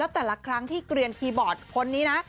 แต่ละครั้งที่เกลียนคีย์บอร์ดคนนี้นะ